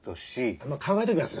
あの考えときます